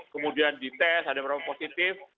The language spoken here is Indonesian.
kemudian dites ada yang positif